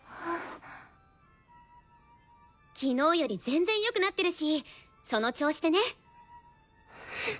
昨日より全然よくなってるしその調子でね。